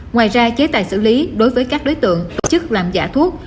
ngoài ra chế tài xử lý đối với các đối tượng tổ chức làm giả thuốc